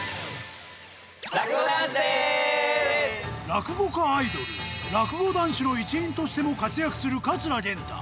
落語家アイドルらくご男子の一員としても活躍する桂源太。